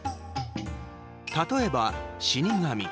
例えば、「死神」。